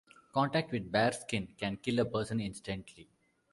Contact with bare skin can kill a person instantly.